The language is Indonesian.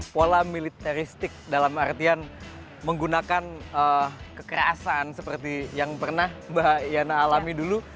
pola militaristik dalam artian menggunakan kekerasan seperti yang pernah mbak yana alami dulu